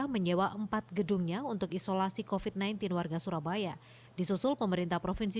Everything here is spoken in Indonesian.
menyewa empat gedungnya untuk isolasi kofit sembilan belas warga surabaya disusul pemerintah provinsi